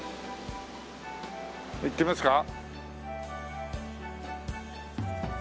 行ってみますか？